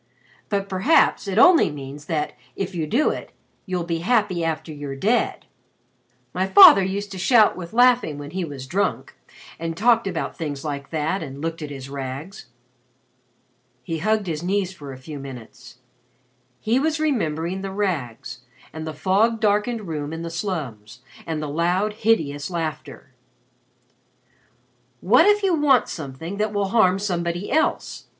"But perhaps it only means that, if you do it, you'll be happy after you're dead. My father used to shout with laughing when he was drunk and talked about things like that and looked at his rags." He hugged his knees for a few minutes. He was remembering the rags, and the fog darkened room in the slums, and the loud, hideous laughter. "What if you want something that will harm somebody else?"